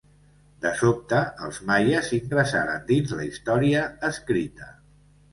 De sobte, els maies ingressaren dins la història escrita.